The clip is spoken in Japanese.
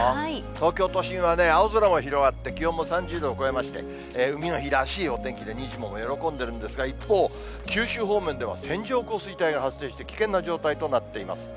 東京都心は青空も広がって、気温も３０度を超えまして、海の日らしいお天気で、にじモも喜んでるんですが、一方、九州方面では線状降水帯が発生して、危険な状態となっています。